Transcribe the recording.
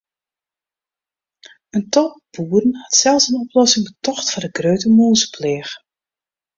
In tal boeren hat sels in oplossing betocht foar de grutte mûzepleach.